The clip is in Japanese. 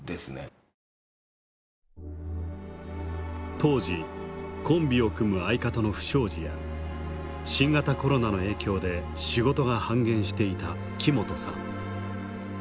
当時コンビを組む相方の不祥事や新型コロナの影響で仕事が半減していた木本さん。